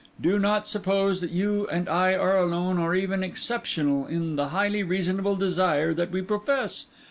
Do not suppose that you and I are alone, or even exceptional in the highly reasonable desire that we profess.